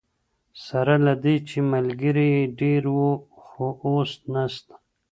سره له دې چي ملګري یې ډیر وو خو اوس نسته.